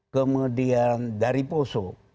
kemudian dari poso